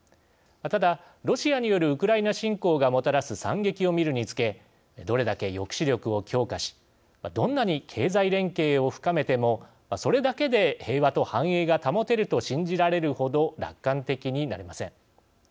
ただ、ロシアによるウクライナ侵攻がもたらす惨劇を見るにつけどれだけ抑止力を強化しどんなに経済連携を深めてもそれだけで平和と繁栄が保てると信じられるほど楽観的になれません。